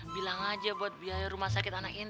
bilang aja buat biaya rumah sakit anak ini